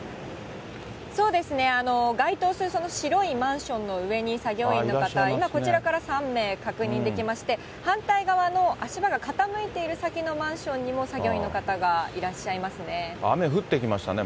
そうですね、該当する白いマンションの上に作業員の方、今、こちらから３名、確認できまして、反対側の足場が傾いている先のマンションにも作業員の方がいらっしゃいますね。